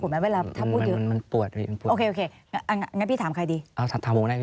เห็นว่าวันนี้มีผลไหม